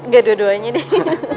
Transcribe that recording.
gak dua duanya deh